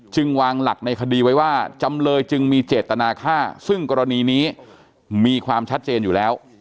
วางหลักในคดีไว้ว่าจำเลยจึงมีเจตนาฆ่าซึ่งกรณีนี้มีความชัดเจนอยู่แล้ว